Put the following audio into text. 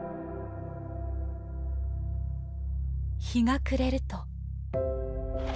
日が暮れると。